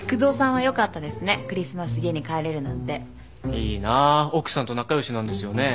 いいなぁ奥さんと仲良しなんですよね？